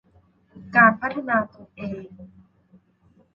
การพัฒนาตนเอง